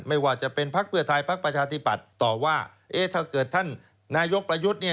ไม่ว่าจะเป็นพักเพื่อไทยพักประชาธิปัตย์ต่อว่าเอ๊ะถ้าเกิดท่านนายกประยุทธ์เนี่ย